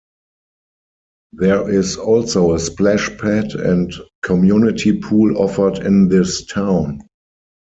There is also a splash pad and community pool offered in this town.